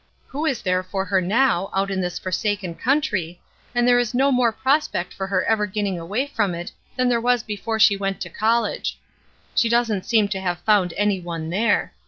Who is there for her now, out in this forsaken country, and there is no more prospect of her ever getting away from it than there was before she went to college. She doesn't seem to have found any one there.